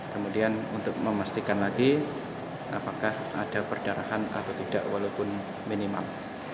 kemudian untuk memastikan lagi apakah ada perdarahan atau tidak walaupun minimal